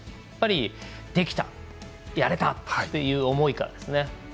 やっぱり、できた、やれたという思いからですね